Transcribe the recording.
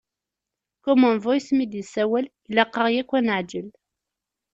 Common Voice mi d-yessawel, ilaq-aɣ yakk ad neɛǧel.